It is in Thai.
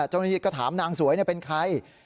เจ้าหน้าที่ก็ถามนางสวยเป็นใคร